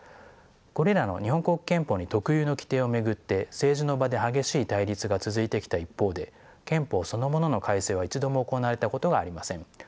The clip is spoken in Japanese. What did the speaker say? これらの日本国憲法に特有の規定を巡って政治の場で激しい対立が続いてきた一方で憲法そのものの改正は一度も行われたことがありません。